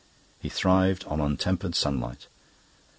He thrived on untempered sunlight.